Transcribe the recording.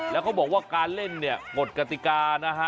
แล้วเขาบอกว่าการเล่นเนี่ยกฎกติกานะฮะ